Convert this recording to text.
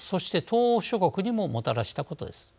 、東欧諸国にももたらしたことです。